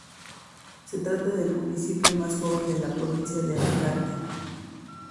Se trata del municipio más joven de la provincia de Alicante.